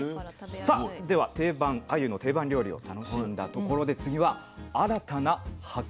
さあではあゆの定番料理を楽しんだところで次は新たな発見。